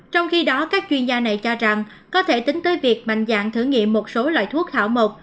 trong khi đó các chuyên gia này cho rằng có thể tính tới việc mạnh dạng thử nghiệm một số loại thuốc hảo mục